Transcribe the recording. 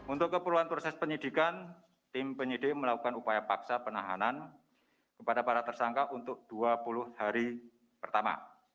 untuk keperluan proses penyidikan tim penyidik melakukan upaya paksa penahanan kepada para tersangka untuk dua puluh hari pertama